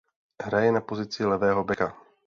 Hraje na pozici levého beka.